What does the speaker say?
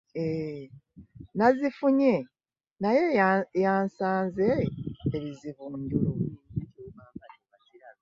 Nazifunye naye zasanze ebizibu njolo.